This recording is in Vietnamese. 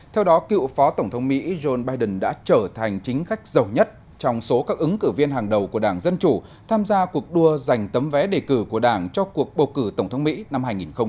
theo đó cựu phó tổng thống mỹ joe biden đã trở thành chính khách giàu nhất trong số các ứng cử viên hàng đầu của đảng dân chủ tham gia cuộc đua dành tấm vé đề cử của đảng cho cuộc bầu cử tổng thống mỹ năm hai nghìn một mươi sáu